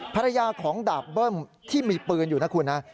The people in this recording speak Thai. ภรรยาของดาบเบิ้มที่มีปืนอยู่นะคุณนะ